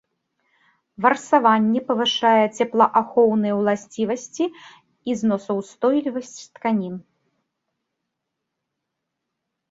Варсаванне павышае цеплаахоўныя уласцівасці і зносаўстойлівасць тканін.